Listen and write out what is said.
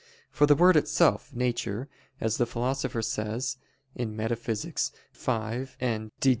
For the word itself, "nature," as the Philosopher says (Metaph. v, Did.